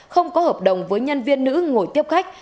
không có hợp đồng với nhân viên nữ ngồi tiếp khách